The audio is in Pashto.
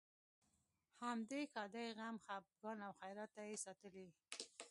همدې ښادۍ، غم، خپګان او خیرات ته یې ساتلې.